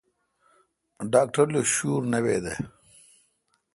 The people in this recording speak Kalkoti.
ڈاکٹر لو شور نہ بیدہ۔